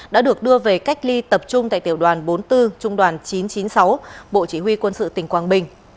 đã được đưa về cách ly tập trung tại tiểu đoàn bốn mươi bốn trung đoàn chín trăm chín mươi sáu bộ chỉ huy quân sự tỉnh quảng bình